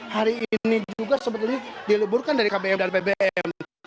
hari ini juga sebetulnya diluburkan dari kbm dan pbm